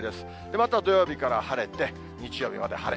また土曜日から晴れて、日曜日まで晴れ。